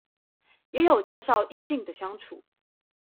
也有介紹與異性的相處